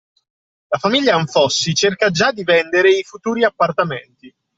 La famiglia Anfossi cerca già di vendere i futuri appartamenti